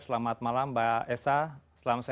selamat malam mbak esther selamat sehat